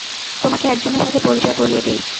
তোমাকে একজনের সাথে পরিচয় করিয়ে দিই।